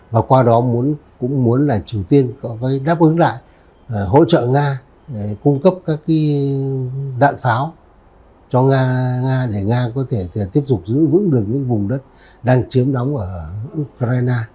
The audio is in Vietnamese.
và qua đó cũng muốn là triều tiên có cái đáp ứng lại hỗ trợ nga cung cấp các cái đạn pháo cho nga để nga có thể tiếp tục giữ vững được những vùng đất đang chiếm đóng ở ukraine